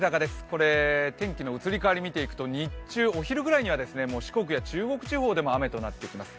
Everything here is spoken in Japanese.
これ、天気の移り変わり、見ていくと、お昼くらいにはもう四国や中国地方でも雨となってきます。